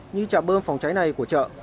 như chạm bơm phòng cháy này của chợ